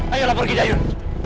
ayolah pergi dayun